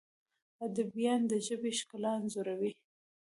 ادیبان د ژبې ښکلا انځوروي.